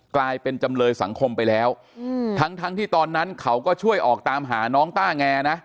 กลายเป็นจำเลยสังคมไปแล้วทั้งทั้งที่ตอนนั้นเขาก็ช่วยออกตามหาน้องต้าแงนะ